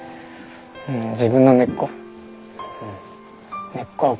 自分の根っこ。